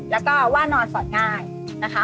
แล้วก็ว่านอนสอนง่ายนะคะ